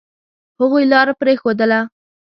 هغوی لار پرېښودله.